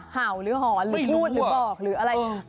เห่าหรือหอนหรือพูดหรือบอกหรืออะไร